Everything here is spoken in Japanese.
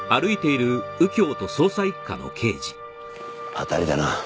当たりだな。